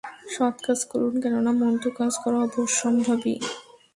সৎ কাজ করুন, কেননা, মন্দ কাজ করা অবশ্যম্ভাবী।